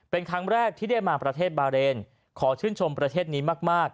เป็นครั้งแรกที่ได้มาประเทศบาเรนขอชื่นชมประเทศนี้มาก